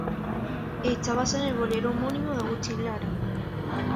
Está basada en el bolero homónimo de Agustín Lara.